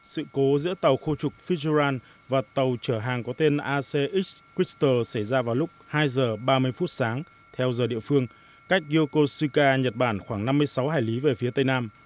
sự cố giữa tàu khô trục fitzgerald và tàu trở hàng ở ngoài khơi nhật bản đã khiến bảy thủy thủ mỹ mất tích